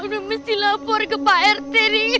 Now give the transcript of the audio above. hampir mesti lapor ke pak rt